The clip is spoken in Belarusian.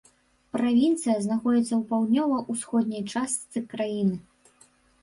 Правінцыя знаходзіцца ў паўднёва-ўсходняй частцы краіны.